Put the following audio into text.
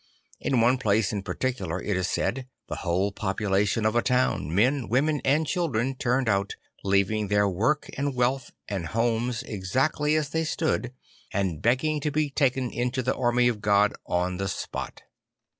In one place in particular, it is said, the whole population of a town, men, women and children, turned out, leaving their work and wealth and homes exactly as they stood and begging to be taken into the army of God on the spot.